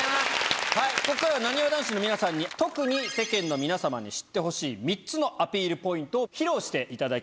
ここからはなにわ男子の皆さんに特に世間の皆様に知ってほしい３つのアピールポイントを披露していただきます。